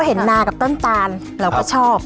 เห็นนากับต้นตาลเราก็ชอบ